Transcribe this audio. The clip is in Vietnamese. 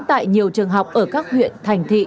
tại nhiều trường học ở các huyện thành thị